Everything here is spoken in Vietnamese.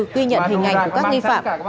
ghi nhận hình ảnh của các nghi phạm